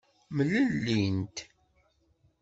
Mlellint.